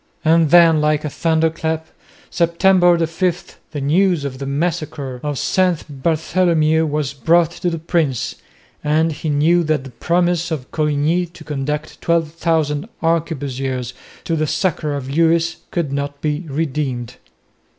And then like a thunderclap, September 5, the news of the massacre of St Bartholomew was brought to the prince, and he knew that the promise of Coligny to conduct 12,000 arquebusiers to the succour of Lewis could not be redeemed.